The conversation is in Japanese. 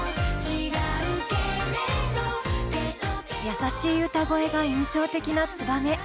優しい歌声が印象的な「ツバメ」。